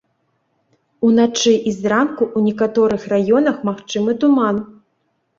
Уначы і зранку ў некаторых раёнах магчымы туман.